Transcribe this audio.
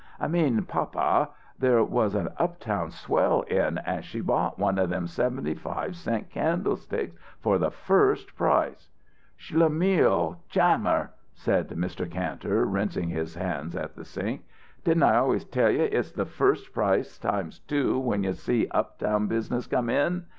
"I mean, papa, there was an uptown swell in, and she bought one of them seventy five cent candlesticks for the first price," "Schlemmil Chammer!" said Mr. Kantor, rinsing his hands at the sink. "Didn't I always tell you it's the first price times two when you see up town business come in?